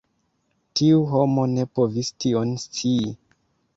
Tiu homo ne povis tion scii.